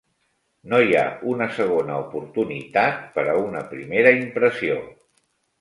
No hi ha una segona oportunitat per a una primera impressió.